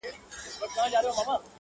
• دا یې هېر سول چي پردي دي وزرونه ,